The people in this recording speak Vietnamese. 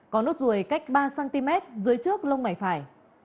có nốt ruồi cách ba cm dưới trước lông mày phải